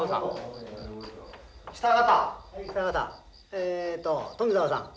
えっと富沢さん。